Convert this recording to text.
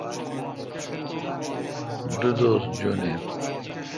دو دوس جواین۔